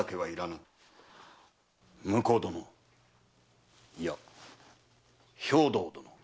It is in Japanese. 婿殿いや兵藤殿。